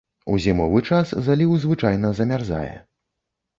У зімовы час заліў звычайна замярзае.